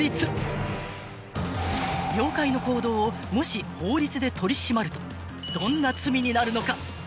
［妖怪の行動をもし法律で取り締まるとどんな罪になるのか？